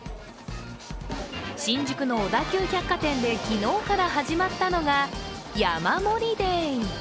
新宿の小田急百貨店で昨日から始まったのが山盛りＤａｙ。